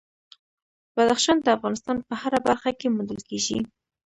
بدخشان د افغانستان په هره برخه کې موندل کېږي.